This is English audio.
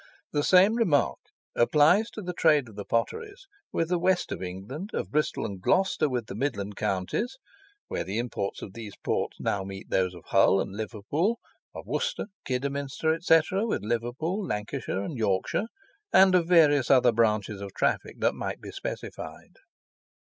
The same remark applies to the trade of the Potteries with the West of England; of Bristol and Gloucester with the Midland Counties, where the imports of these ports now meet those of Hull and Liverpool; of Worcester, Kidderminster, &c. with Liverpool, Lancashire, and Yorkshire, and of various other branches of traffic that might be specified.